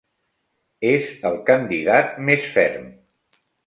És el candidat més ferm.